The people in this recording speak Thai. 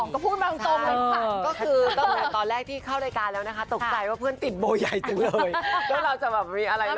ก็คือตอนแรกที่เข้ารายการแล้วนะคะตกใจว่าเพื่อนติดโบใหญ่จังเลยแล้วเราจะเปิดมีอะไรเหรอ